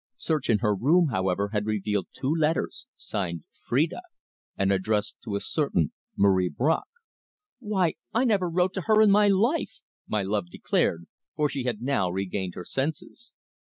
Search in her room, however, had revealed two letters, signed 'Phrida,' and addressed to a certain Marie Bracq." "Why, I never wrote to her in my life!" my love declared, for she had now regained her senses.